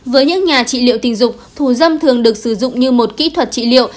với những nhà trị liệu tình dục thù dâm thường được sử dụng như một kỹ thuật trị liệu